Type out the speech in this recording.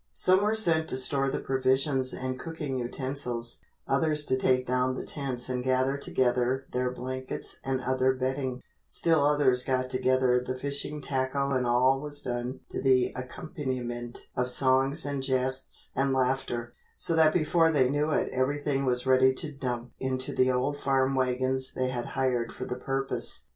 Some were sent to store the provisions and cooking utensils; others to take down the tents and gather together their blankets and other bedding; still others got together the fishing tackle and all was done to the accompaniment of songs and jests and laughter, so that before they knew it everything was ready to dump into the old farm wagons they had hired for the purpose.